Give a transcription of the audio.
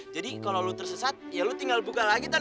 jadi kalau lo tersesat ya lo tinggal buka lagi ton